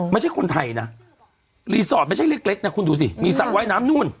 ไม่ใช่คนไทยน่ะไม่ใช่เล็กเล็กน่ะคุณดูสิมีสระว่ายน้ำนู่น